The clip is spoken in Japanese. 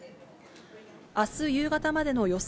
あす夕方までの予想